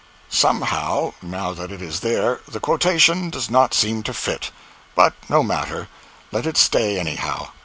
Somehow, now that it is there, the quotation does not seem to fit—but no matter, let it stay, anyhow.